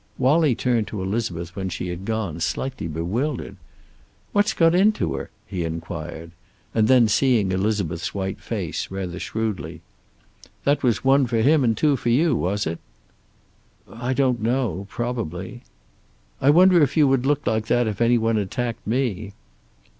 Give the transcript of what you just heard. Wallie turned to Elizabeth when she had gone, slightly bewildered. "What's got into her?" he inquired. And then, seeing Elizabeth's white face, rather shrewdly: "That was one for him and two for you, was it?" "I don't know. Probably." "I wonder if you would look like that if any one attacked me!"